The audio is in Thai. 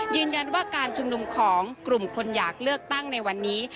ยืนยันว่าการชุมนุมของกลุ่มคนอยากเลือกตั้งในวันนี้